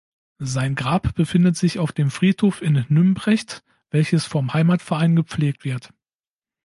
Sein Grab befindet sich auf dem Friedhof in Nümbrecht, welches vom Heimatverein gepflegt wird.